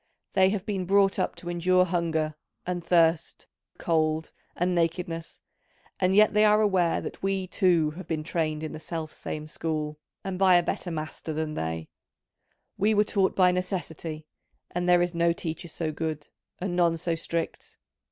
They have been brought up to endure hunger and thirst, cold and nakedness, and yet they are aware that we too have been trained in the self same school and by a better master than they: we were taught by Necessity, and there is no teacher so good, and none so strict.